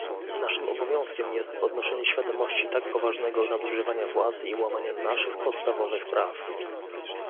Naszym obowiązkiem jest podnoszenie świadomości tak poważnego nadużywania władzy i łamania naszych podstawowych praw